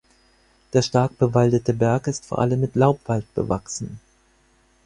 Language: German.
Der stark bewaldete Berg ist vor allem mit Laubwald bewachsen.